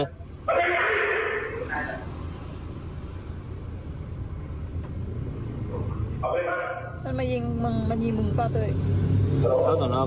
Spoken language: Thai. มันมายิงมึงมันยิงมึงเปล่าตัวเอง